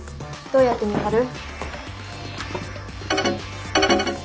どうやって見張る？